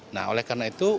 nah oleh karena itu